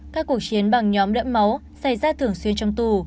các cuộc chiến bằng nhóm đẫm máu xảy ra thường xuyên trong tù